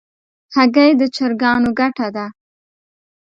هګۍ د چرګانو ګټه ده.